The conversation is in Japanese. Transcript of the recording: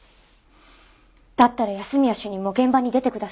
だったら安洛主任も現場に出てください。